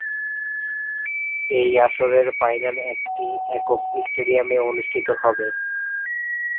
এই আসরের ফাইনাল একটি একক স্টেডিয়ামে অনুষ্ঠিত হবে।